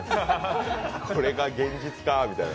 これが現実かみたいな。